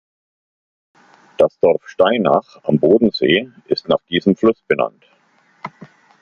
Das Dorf Steinach am Bodensee ist nach diesem Fluss benannt.